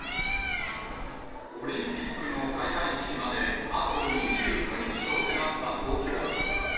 オリンピックの開会式まであと２９日と迫った東京。